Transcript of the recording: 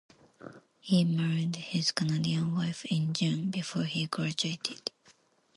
He married his Canadian wife in June before he graduated.